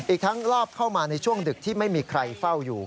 อีกทั้งรอบเข้ามาในช่วงดึกที่ไม่มีใครเฝ้าอยู่